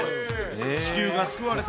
地球が救われた。